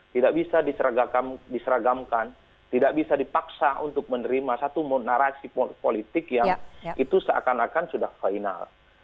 tidak bisa diseragamkan tidak bisa dipaksa untuk menerima satu narasi politik yang itu seakan akan sudah final